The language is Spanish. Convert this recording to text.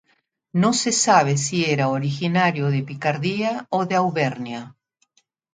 No se sabe si era originario de Picardía o de Auvernia.